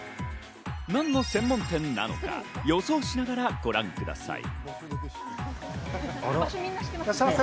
何の専門店なのか、予想しながらご覧ください。